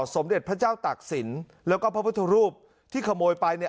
สมเด็จพระเจ้าตากศิลป์แล้วก็พระพุทธรูปที่ขโมยไปเนี่ย